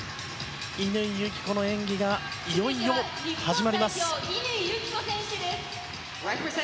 乾友紀子の演技がいよいよ始まります。